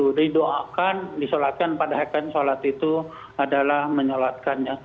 jadi doakan disolatkan pada hakkan solat itu adalah menyolatkannya